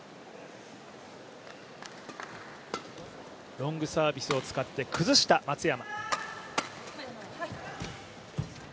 ロングサービスを使って崩した松山。